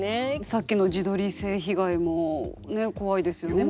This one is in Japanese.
さっきの自撮り性被害もね怖いですよね。